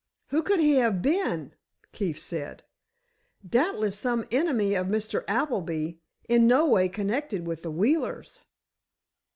"Who could he have been?" Keefe said. "Doubtless some enemy of Mr. Appleby, in no way connected with the Wheelers."